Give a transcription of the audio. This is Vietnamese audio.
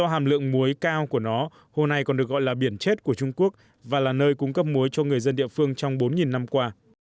hồ muối cao của nó hôm nay còn được gọi là biển chết của trung quốc và là nơi cung cấp muối cho người dân địa phương trong bốn năm qua